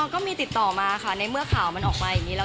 อ๋อก็มีติดต่อมาค่ะในเมื่อข่ามันออกมาเหมือนงี้